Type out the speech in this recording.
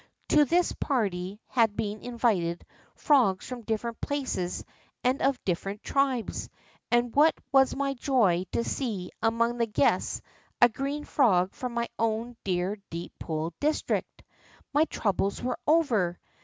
To this party had been invited frogs from different places and of different tribes, and what was my joy to see among the guests a green frog from my own dear Deep Pool district. My troubles were over.